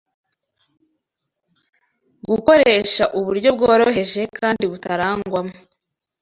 Gukoresha uburyo bworoheje kandi butarangwamo